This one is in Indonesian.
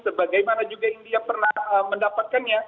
sebagaimana juga india pernah mendapatkannya